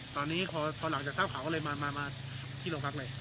ตอนนี้พอหลังจากทราบข่าวก็เลยมาที่โรงพักเลย